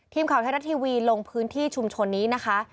ทีมข่าวไทยรัฐทีวีลงพื้นที่ชุมชนนี้นะคะ